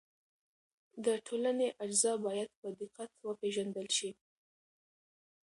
د ټولنې اجزا باید په دقت وپېژندل شي.